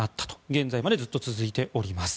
現在までずっと続いております。